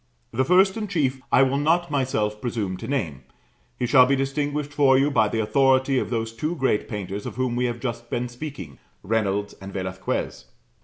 The first and chief I will not myself presume to name; he shall be distinguished for you by the authority of those two great painters of whom we have just been speaking Reynolds and Velasquez.